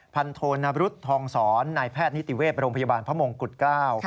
โทนบรุษทองศรนายแพทย์นิติเวศโรงพยาบาลพระมงกุฎเกล้า